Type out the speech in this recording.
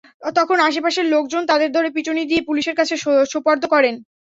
তখন আশপাশের লোকজন তাঁদের ধরে পিটুনি দিয়ে পুলিশের কাছে সোপর্দ করেন।